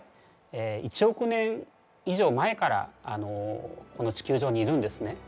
１億年以上前からこの地球上にいるんですね。